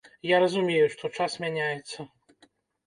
Я разумею, што час мяняецца.